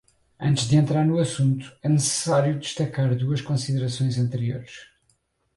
Antes de entrar no assunto, é necessário destacar duas considerações anteriores.